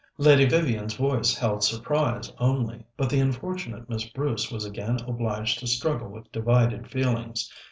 Lady Vivian's voice held surprise only, but the unfortunate Miss Bruce was again obliged to struggle with divided feelings.